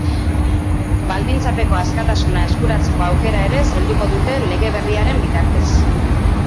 Baldintzapeko askatasuna eskuratzeko aukera ere zailduko dute lege berriaren bitartez.